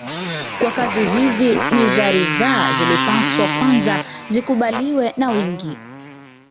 Kwa kazi hizi ni za ridhaa zilipaswa kwanza zikubaliwe na wengi